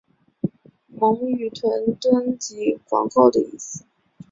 蒙语哈屯即皇后的意思。